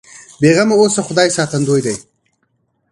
بې غمه اوسه خدای ساتندوی دی.